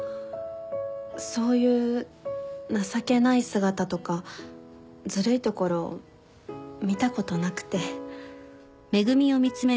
そういう情けない姿とかずるいところ見たことなくて。